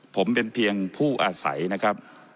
ผมเป็นเพียงผู้อาศัยนะครับ